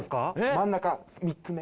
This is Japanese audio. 真ん中３つ目。